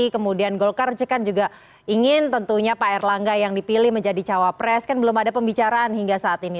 kemudian golkar juga ingin tentunya pak erlangga yang dipilih menjadi cawapres kan belum ada pembicaraan hingga saat ini